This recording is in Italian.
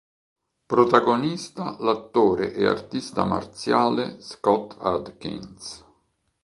Protagonista l'attore e artista marziale Scott Adkins.